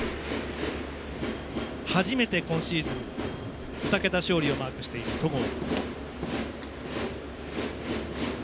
初めて、今シーズン２桁勝利をマークしている、戸郷。